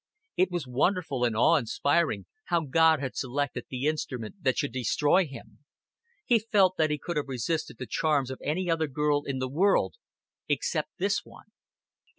It was wonderful and awe inspiring how God had selected the instrument that should destroy him. He felt that he could have resisted the charms of any other girl in the world except this one.